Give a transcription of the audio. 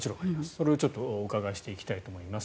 これをお伺いしていきたいと思います。